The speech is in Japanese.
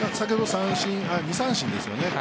２三振ですよね。